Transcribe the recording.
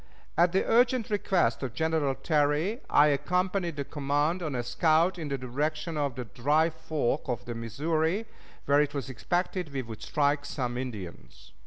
At the urgent request of General Terry I accompanied the command on a scout in the direction of the Dry Fork of the Missouri, where it was expected we would strike some Indians.